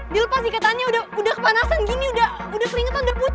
dilepas ikatannya udah kepanasan gini udah keringetan udah pucet